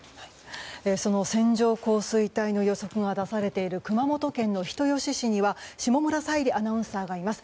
その線状降水帯の予測が出されている熊本県の人吉市には下村彩里アナウンサーがいます。